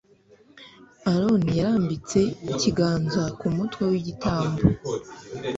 Aroni yarambitse ibiganza ku mutwe wigitambo